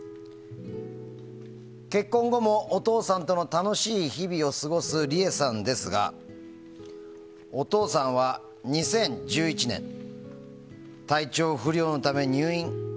結婚後も、お父さんとの楽しい日々を過ごすリエさんですがお父さんは２０１１年体調不良のため入院。